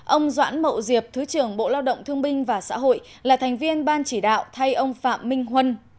ông doãn mậu diệp thứ trưởng bộ lao động thương binh và xã hội là thành viên ban chỉ đạo thay ông phạm minh huân